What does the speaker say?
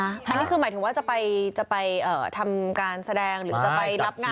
อันนี้คือหมายถึงว่าจะไปทำการแสดงหรือจะไปรับงาน